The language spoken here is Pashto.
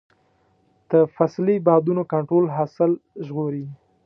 د فصلي بادونو کنټرول حاصل ژغوري.